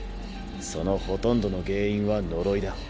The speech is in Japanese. そのほとんどの原因は呪いだ。